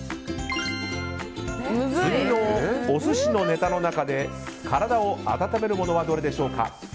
次のお寿司のネタの中で体を温めるものはどれでしょうか。